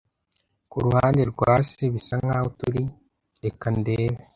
"Ku ruhande rwa se, bisa nkaho turi - reka ndebe ----"